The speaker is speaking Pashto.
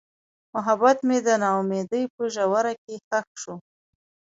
محبت مې د نا امیدۍ په ژوره کې ښخ شو.